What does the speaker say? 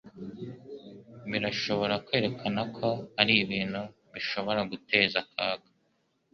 Birashobora kwerekana ko ari ibintu bishobora guteza akaga.